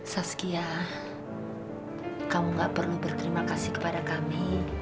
saskia kamu gak perlu berterima kasih kepada kami